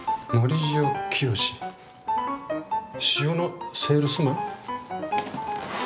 塩のセールスマン？